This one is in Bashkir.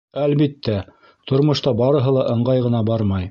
Әлбиттә, тормошта барыһы ла ыңғай ғына бармай.